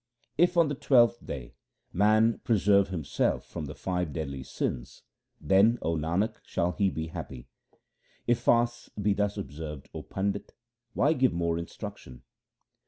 If on the twelfth day man preserve himself from the five deadly sins, then, O Nanak, shall he be happy. If fasts be thus observed, O Pandit, why give more in struction